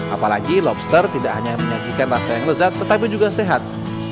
apalagi lobster tidak hanya menyajikan rasa yang lezat tetapi juga sehat